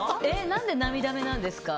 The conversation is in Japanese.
何で涙目なんですか？